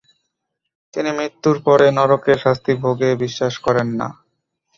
তিনি মৃত্যুর পরে নরকে শাস্তিভোগে বিশ্বাস করেন না।